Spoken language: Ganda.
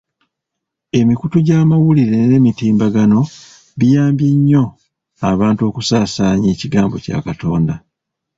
Emikutu gy'amawulire n'emitimbagano biyambye nnyo abantu mu kusaasaanya ekigambo kya Katonda.